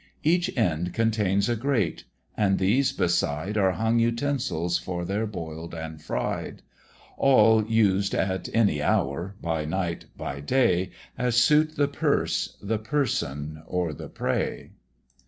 Each end contains a grate, and these beside Are hung utensils for their boil'd and fried All used at any hour, by night, by day, As suit the purse, the person, or the prey.